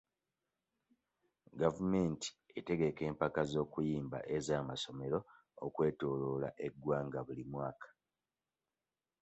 Gavumenti etegeka empaka z'okuyimba ez'amasomero okwetooloola eggwanga buli mwaka.